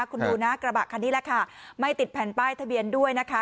คุณดูนะกระบะคันนี้แหละค่ะไม่ติดแผ่นป้ายทะเบียนด้วยนะคะ